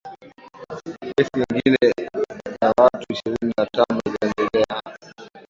kesi nyingine za watu ishirini na tano zinaendelea